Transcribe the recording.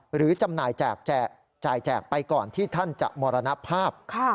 จำหน่ายจ่ายแจกไปก่อนที่ท่านจะมรณภาพ